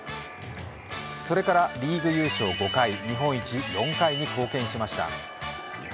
それからリーグ優勝５回、日本一４回に貢献しました。